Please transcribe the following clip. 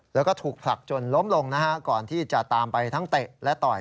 แล้วก็ถูกผลักจนล้มลงนะฮะก่อนที่จะตามไปทั้งเตะและต่อย